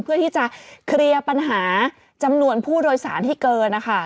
เพื่อที่จะเคลียร์ปัญหาจำนวนผู้โดยสารที่เกินนะคะ